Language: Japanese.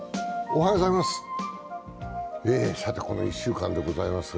おはようございます。